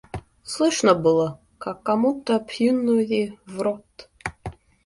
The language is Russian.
Слышно было, как кому-то плюнули в рот.